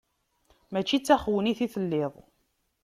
Mačči d taxewnit i telliḍ.